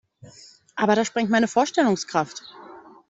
Aber das sprengt meine Vorstellungskraft.